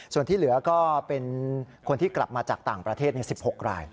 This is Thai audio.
ส่วนที่เหลือก็เป็นคนที่กลับมาจากต่างประเทศ๑๖ราย